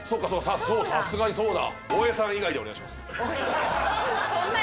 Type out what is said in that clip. さすがにそうだ。